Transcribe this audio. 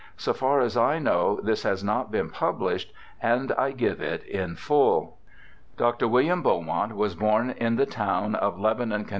So far as I know this has not been published, and I give it in full :' Dr. William Beaumont was born in the town 01 Lebanon, Conn.